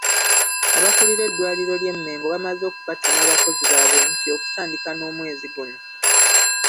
Abakulira eddwaliro ly'e mengo bamaze okukatema abakozi baabwe nti okutandika n'omwezi guno.